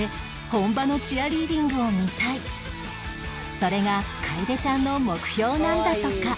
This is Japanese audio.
それが楓ちゃんの目標なんだとか